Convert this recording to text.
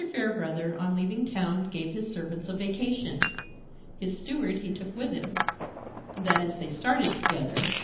Fairbrother, on leaving town, gave his servants a vacation. His steward he took with him,—that is, they started together.